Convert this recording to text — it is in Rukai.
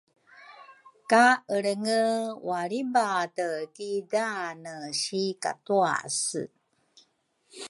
ka Elrenge walribate ki daane si katuase.